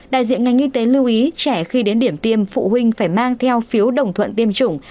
đại diện ngành y tế lưu ý trẻ khi đến điểm tiêm phụ huynh phải mang theo phiếu đồng thuận tiêm chủng